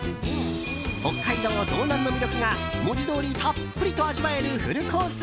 北海道道南の魅力が文字どおりたっぷりと味わえるフルコース